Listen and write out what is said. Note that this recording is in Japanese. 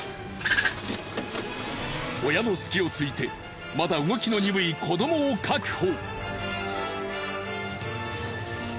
親の隙をついてまだ動きの鈍い子どもを確保。